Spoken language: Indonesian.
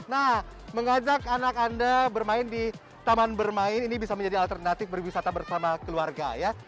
nah mengajak anak anda bermain di taman bermain ini bisa menjadi alternatif berwisata bersama keluarga ya